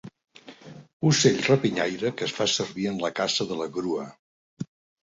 Ocell rapinyaire que es fa servir en la caça de la grua.